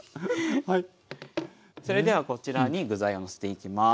それではこちらに具材をのせていきます。